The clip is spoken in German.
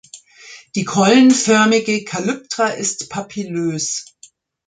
Die keulenförmige Kalyptra ist papillös.